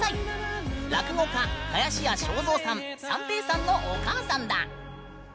落語家林家正蔵さん三平さんのお母さんだ。